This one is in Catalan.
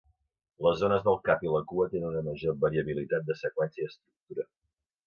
Les zones del cap i la cua tenen una major variabilitat de seqüència i estructura.